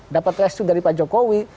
dapat restu dari pak jokowi